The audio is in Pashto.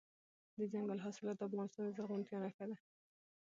دځنګل حاصلات د افغانستان د زرغونتیا نښه ده.